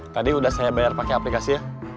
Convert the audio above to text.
tadi udah saya bayar pakai aplikasi ya